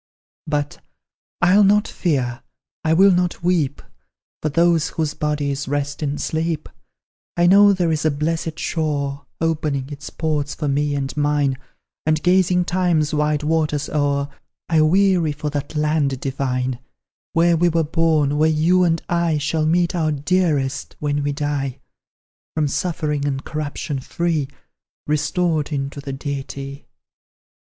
"But, I'll not fear, I will not weep For those whose bodies rest in sleep, I know there is a blessed shore, Opening its ports for me and mine; And, gazing Time's wide waters o'er, I weary for that land divine, Where we were born, where you and I Shall meet our dearest, when we die; From suffering and corruption free, Restored into the Deity."